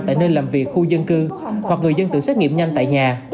tại nơi làm việc khu dân cư hoặc người dân tự xét nghiệm nhanh tại nhà